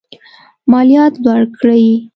مالیات لوړ کړي.